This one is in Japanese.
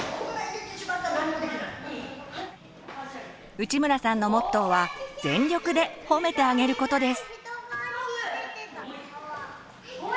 内村さんのモットーは全力でほめてあげることです。